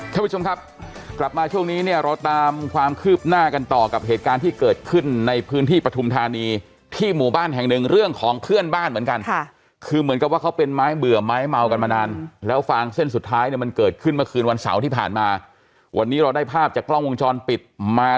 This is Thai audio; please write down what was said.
ท่านผู้ชมครับกลับมาช่วงนี้เนี่ยเราตามความคืบหน้ากันต่อกับเหตุการณ์ที่เกิดขึ้นในพื้นที่ปฐุมธานีที่หมู่บ้านแห่งหนึ่งเรื่องของเพื่อนบ้านเหมือนกันค่ะคือเหมือนกับว่าเขาเป็นไม้เบื่อไม้เมากันมานานแล้วฟางเส้นสุดท้ายเนี่ยมันเกิดขึ้นเมื่อคืนวันเสาร์ที่ผ่านมาวันนี้เราได้ภาพจากกล้องวงจรปิดมา